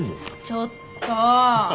ちょっと。